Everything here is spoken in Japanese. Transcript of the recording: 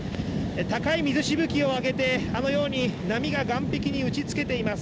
高い水しぶきを上げて、あのように波が岸壁に打ちつけています。